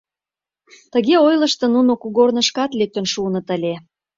Тыге ойлыштын, нуно кугорнышкат лектын шуыныт ыле.